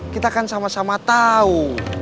kita kan sama sama tahu